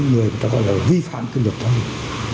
người ta gọi là vi phạm kinh nghiệm thông minh